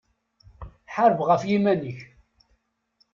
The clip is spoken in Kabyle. Ḥareb ɣef yiman-ik